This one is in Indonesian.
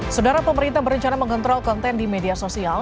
saudara pemerintah berencana mengontrol konten di media sosial